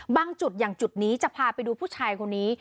จุดอย่างจุดนี้จะพาไปดูผู้ชายคนนี้